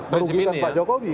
merugikan pak jokowi